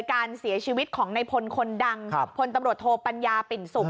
การเสียชีวิตของในพลคนดังพลตำรวจโทปัญญาปิ่นสุข